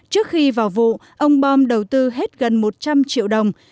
trước khi vào vụ ông bom đầu tư hết gần một trăm linh triệu đồng